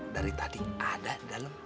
dari tadi ada dalam